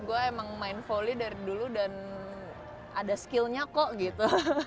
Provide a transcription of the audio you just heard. gue emang main volley dari dulu dan ada skillnya kok gitu